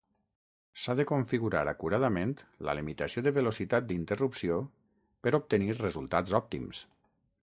S'ha de configurar acuradament la limitació de velocitat d'interrupció per obtenir resultats òptims.